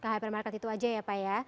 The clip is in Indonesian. ke hypermarket itu aja ya pak ya